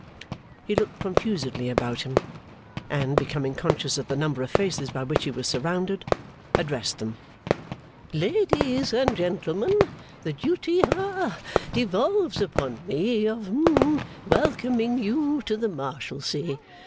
He looked confusedly about him, and, becoming conscious of the number of faces by which he was surrounded, addressed them: 'Ladies and gentlemen, the duty ha devolves upon me of hum welcoming you to the Marshalsea!